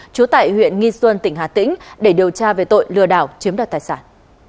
trú tại huyện nghi xuân tỉnh hà tĩnh để điều tra về tội lừa đảo chiếm đoạt tài sản